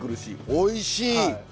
おいしい。